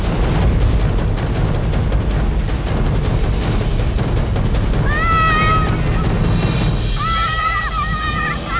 ajam aja teman anjing saya gini